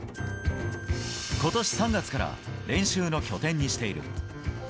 ことし３月から練習の拠点にしている。